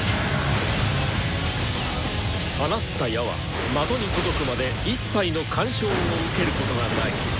放った矢は的に届くまで一切の干渉を受けることがない。